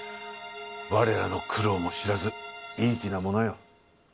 我らの苦労も知らずいい気なものよ。